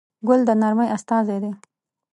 ګل د نرمۍ استازی دی.